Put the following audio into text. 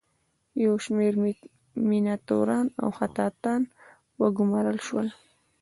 یو شمیر میناتوران او خطاطان وګومارل شول.